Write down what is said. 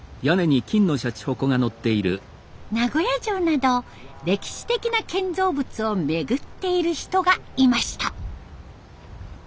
名古屋城など歴史的な建造物を巡っている人がいました。